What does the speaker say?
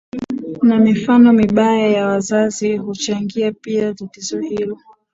na mifano mibaya ya wazazi huchangia pia tatizo hilo